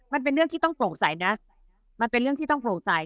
มันเป็นเรื่องที่ต้องโปร่งใสนะมันเป็นเรื่องที่ต้องโปร่งใส